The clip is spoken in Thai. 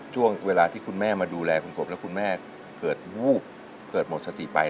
ช่วงเวลาที่คุณแม่มาดูแลคุณกบแล้วคุณแม่เกิดวูบเกิดหมดสติไป